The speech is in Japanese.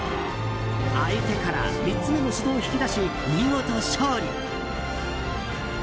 相手から３つ目の指導を引き出し、見事勝利。